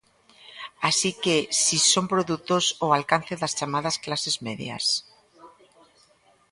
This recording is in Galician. Así que si son produtos ao alcance das chamadas clases medias.